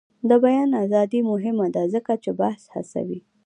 د بیان ازادي مهمه ده ځکه چې بحث هڅوي.